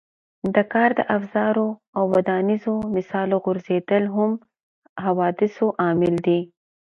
د کار د افزارو او ودانیزو مسالو غورځېدل هم د حوادثو عامل دی.